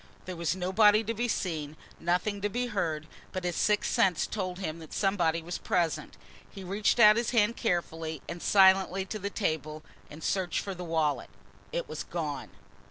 There was nobody to be seen, nothing to be heard, but his sixth sense told him that somebody was present. He reached out his hand carefully and silently to the table and searched for the wallet. It was gone!